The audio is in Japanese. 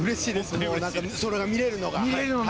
それが見れるのが。